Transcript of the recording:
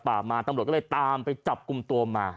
ปากมาตำรวจก็ตามไปจับกลุ่มตัว